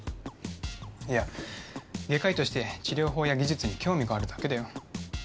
いや外科医として治療法や技術に興味があるだけだよ